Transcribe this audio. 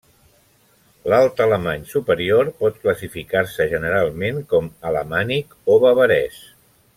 L'alt alemany superior pot classificar-se generalment com alamànic o bavarès.